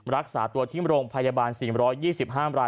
รักษาตัวที่โรงพยาบาล๔๒๕ราย